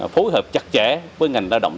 phối hợp chặt chẽ với ngành lao động